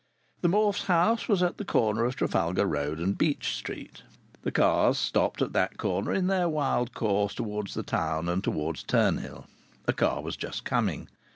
The Morfes' house was at the corner of Trafalgar Road and Beech Street. The cars stopped at that corner in their wild course towards the town and towards Turnhill. A car was just coming.